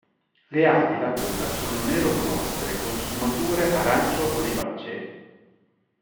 Le ali e la coda sono nero-bluastre con sfumature arancio-olivacee.